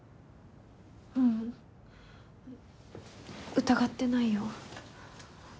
ううん疑ってないよ。